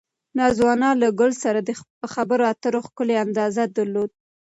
نازو انا له ګل سره د خبرو اترو ښکلی انداز درلود.